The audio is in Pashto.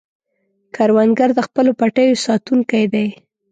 کروندګر د خپلو پټیو ساتونکی دی